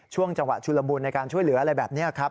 ช่วงจังหวะชุลมุนในการช่วยเหลืออะไรแบบนี้ครับ